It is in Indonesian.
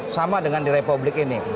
sama dengan di republik ini